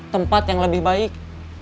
tempat yang lebih baik